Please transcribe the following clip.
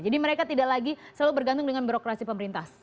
jadi mereka tidak lagi selalu bergantung dengan birokrasi pemerintah